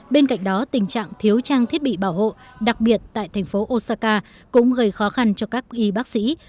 bên cạnh đó tình trạng thiếu trang thiết bị bảo hộ đặc biệt tại thành phố osaka cũng gây khó khăn cho các y bác sĩ